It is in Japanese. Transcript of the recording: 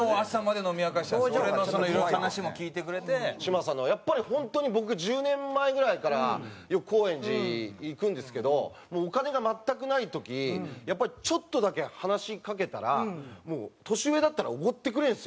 嶋佐のやっぱり本当に僕が１０年前ぐらいからよく高円寺行くんですけどもうお金が全くない時やっぱりちょっとだけ話し掛けたらもう年上だったらおごってくれるんですよ。